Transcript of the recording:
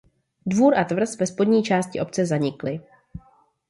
Dvůr a tvrz ve spodní části obce zanikly.